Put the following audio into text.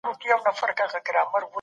مور مي مهربانه ده.